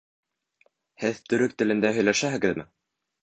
Һеҙ төрөк телендә һөйләшәһегеҙме?